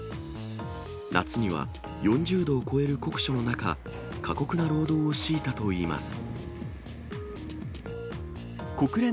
夏には４０度を超える酷暑の中、過酷な労働を強いたといいます。